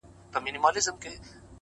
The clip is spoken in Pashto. هغه په هره بده پېښه کي بدنام سي ربه”